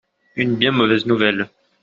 Une bien mauvaise nouvelle.